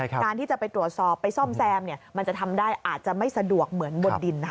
การที่จะไปตรวจสอบไปซ่อมแซมมันจะทำได้อาจจะไม่สะดวกเหมือนบนดินนะคะ